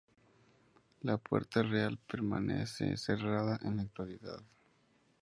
La Puerta Real permanece cerrada en la actualidad.